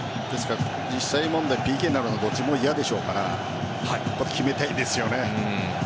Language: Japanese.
実際問題ＰＫになるのはどっちも嫌でしょうから決めたいですよね。